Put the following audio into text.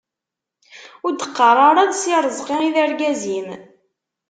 Ur d-qqar ara d si Rezqi i d argaz-im.